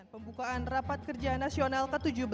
pembukaan rapat kerja nasional ke tujuh belas